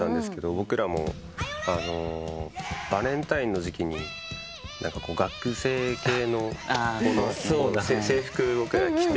僕らもバレンタインの時期に学生系の制服を僕ら着て。